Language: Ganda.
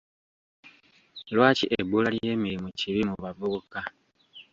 Lwaki ebbula ly'emirimu kibi mu bavubuka?